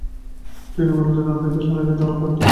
তিনি মূলতঃ ডানহাতি ব্যাটসম্যানের দায়িত্ব পালন করতেন তিনি।